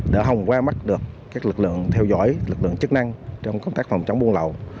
đã hồng qua mắt được các lực lượng theo dõi lực lượng chức năng trong công tác phòng chống buôn lậu